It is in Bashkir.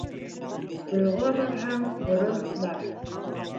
Туйға барһаң, борон бар: